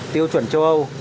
tiêu chuẩn châu âu